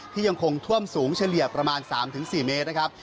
ยังคงท่วมสูงเฉลี่ยประมาณ๓๔เมตรนะครับ